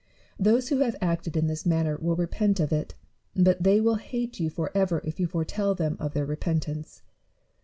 Those who have acted in this manner will repent of it ; but they will hate you for ever if you foretell them of their repentance.